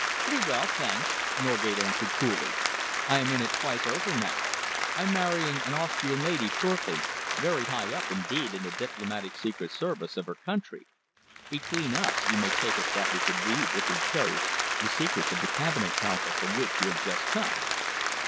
"Pretty well, thanks," Norgate answered coolly. "I am in it twice over now. I'm marrying an Austrian lady shortly, very high up indeed in the Diplomatic Secret Service of her country. Between us you may take it that we could read, if we chose, the secrets of the Cabinet Council from which you have just come."